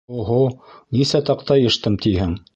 Оһо, нисә таҡта йыштым тиһең?